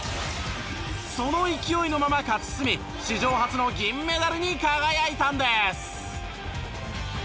その勢いのまま勝ち進み史上初の銀メダルに輝いたんです。